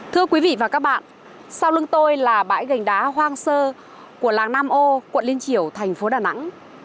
thưa quý vị và các bạn sau lưng tôi là bãi gành đá hoang sơ của làng nam ô quận liên triểu thành phố đà nẵng